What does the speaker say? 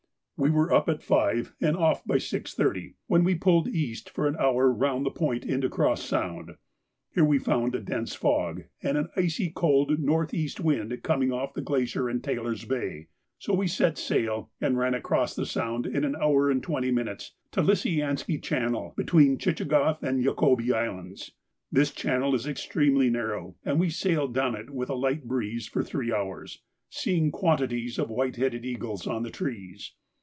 We were up at five and off by 6.30, when we pulled east for an hour round the point into Cross Sound. Here we found a dense fog and an icy cold north east wind coming off the glacier in Taylor's Bay, so we set sail and ran across the Sound in an hour and twenty minutes to Lisianski Channel, between Tchitchagoff and Jacobi Islands. This channel is extremely narrow, and we sailed down it with a light breeze for three hours, seeing quantities of white headed eagles on the trees.